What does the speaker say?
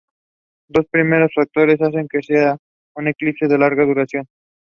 Every part is required to graduate.